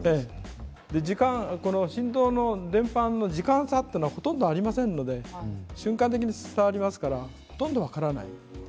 振動の伝搬の時間差というのはほとんどありませんので瞬間的に伝わりますしほとんど分からない。